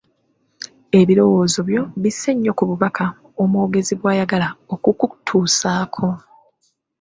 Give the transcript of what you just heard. Ebirowoozo byo bisse nnyo ku bubaka omwogezi bw’ayagala okukutuusaako.